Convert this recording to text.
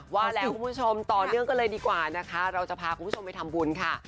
ว่าแล้วคุณผู้ชมต่อเนื่องกันเลยดีกว่านะคะเราจะพาคุณผู้ชมไปทำบุญค่ะ